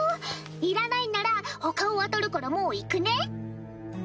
いらないんなら他を当たるからもう行くね。